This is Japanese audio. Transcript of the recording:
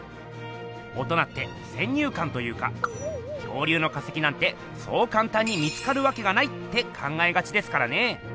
大人って先入かんというか「恐竜の化石なんてそうかんたんに見つかるわけがない」って考えがちですからね。